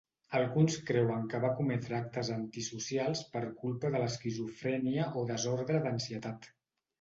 Alguns creuen que va cometre actes antisocials per culpa de l'esquizofrènia o desordre d'ansietat.